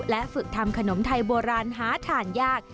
และฝึกทำขนมไทยโบราณหาทานยาก